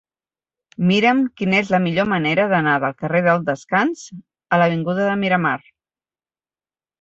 Mira'm quina és la millor manera d'anar del carrer del Descans a l'avinguda de Miramar.